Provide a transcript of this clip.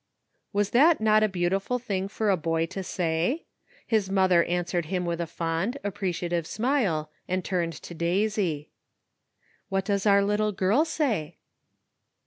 Was not that a beautiful thing for a boy to say? His mother answered him with a fond, appreciative smile, and turned to Daisy. 192 THE UNEXPECTED HAPPENS, "What does our little girl say?"